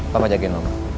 papa jagain mama